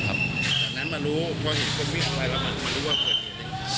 จากนั้นมารู้เพราะเห็นคนวิ่งออกไปแล้วมารู้ว่าเกิดเหตุอะไร